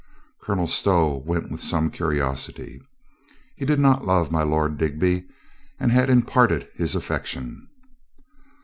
Colonel Stow went with some curiosity. He did not love my Lord Dig by and had imparted his affection.